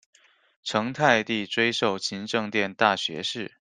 成泰帝追授勤政殿大学士。